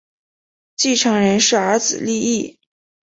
继承人是儿子利意。